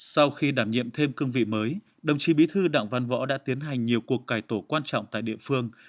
sau khi đảm nhiệm thêm cương vị mới đồng chí bí thư đặng văn võ đã tiến hành nhiều cuộc cải tổ quan trọng tại địa phương